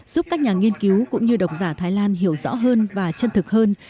giúp các nhà nghiên cứu cũng như độc giả thái lan hiểu rõ hơn và chân thực hơn